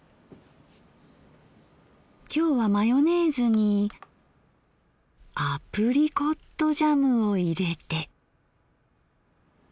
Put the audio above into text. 今日はマヨネーズにアプリコットジャムを入れて。